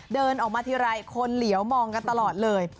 เดินออกมาทีไรคนเหลียวมองกันตลอดเลย